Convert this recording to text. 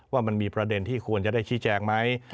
ว่ามันมีประเด็นที่ควรจะได้ชี้แจงไหม